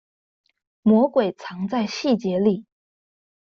魔鬼藏在細節裡